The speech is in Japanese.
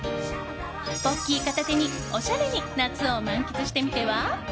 ポッキー片手におしゃれに夏を満喫してみては？